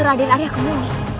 radil arya kemulia